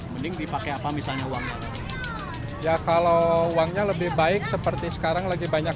mending dipakai apa misalnya uangnya ya kalau uangnya lebih baik seperti sekarang lagi banyak